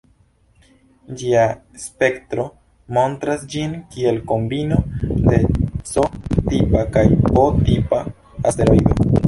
Ĝia spektro montras ĝin kiel kombino de C-tipa kaj P-tipa asteroido.